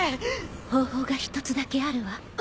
方法が一つだけあるわ。